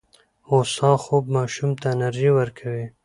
هوسا خوب ماشوم ته انرژي ورکوي.